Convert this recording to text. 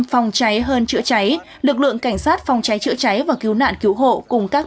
phòng cháy hơn chữa cháy lực lượng cảnh sát phòng cháy chữa cháy và cứu nạn cứu hộ cùng các